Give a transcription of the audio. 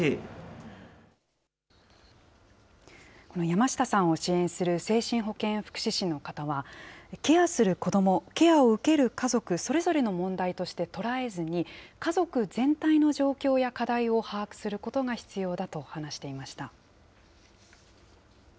この山下さんを支援する、精神保健福祉士の方は、ケアする子ども、ケアを受ける家族、それぞれの問題として捉えずに、家族全体の状況や課題を把握することが必要だと話していました。